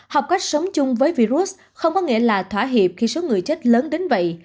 học cách sống chung với virus không có nghĩa là thỏa hiệp khi số người chết lớn đến vậy